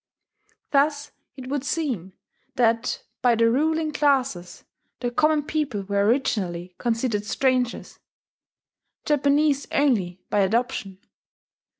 Thus it would seem that, by the ruling classes, the common people were originally considered strangers, Japanese only by adoption.